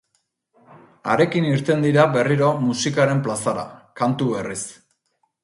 Harekin irten dira berriro musikaren plazara, kantu berriz.